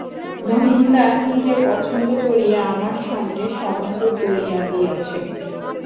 মহিনদা নিজে পছন্দ করিয়া আমার সঙ্গে সম্বন্ধ করিয়া দিয়াছেন।